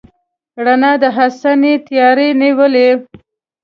رڼا د حسن یې تیارو نیولې